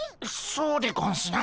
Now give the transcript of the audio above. そうでゴンスな。